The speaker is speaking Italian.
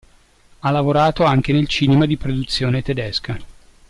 Ha lavorato anche nel cinema di produzione tedesca.